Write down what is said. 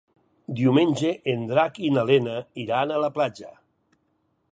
Diumenge en Drac i na Lena iran a la platja.